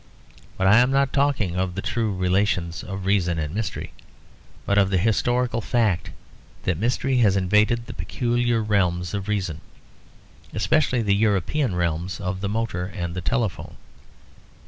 But I am not talking of the true relations of reason and mystery, but of the historical fact that mystery has invaded the peculiar realms of reason; especially the European realms of the motor and the telephone.